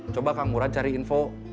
coba kang murad cari info